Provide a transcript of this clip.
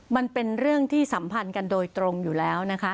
มันเป็นเรื่องที่สัมพันธ์กันโดยตรงอยู่แล้วนะคะ